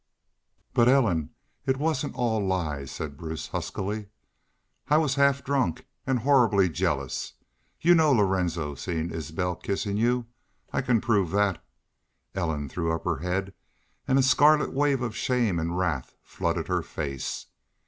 "But, Ellen, it wasn't all lies," said Bruce, huskily. "I was half drunk an' horrible jealous.... You know Lorenzo seen Isbel kissin' you. I can prove thet." Ellen threw up her head and a scarlet wave of shame and wrath flooded her face.